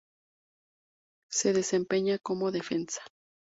Se desempeña como defensa.